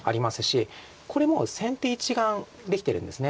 これもう先手１眼できてるんです。